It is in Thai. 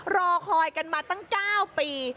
รอคอยกันมาตั้ง๙ปี